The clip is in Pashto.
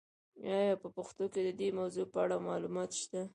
آیا په پښتو کې د دې موضوع په اړه معلومات شته؟